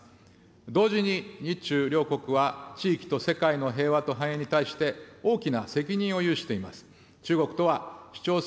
同時に、日中両国は地域と世界の平和と繁栄に対して、大きな責任を有しています。